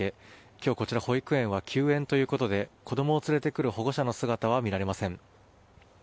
今日、保育園は休園ということで子供を連れてくる保護者の姿は見られません。